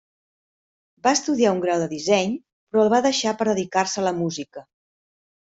Va estudiar un grau de disseny, però el va deixar per dedicar-se a la música.